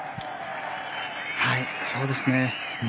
そうですね。